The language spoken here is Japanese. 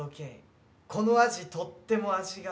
このアジとっても味がある。